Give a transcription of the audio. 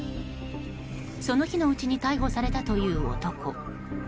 その日のうちに逮捕されたという男。